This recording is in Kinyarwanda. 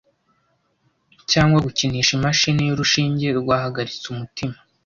cyangwa gukinisha imashini y'urushinge rwahagaritse umutima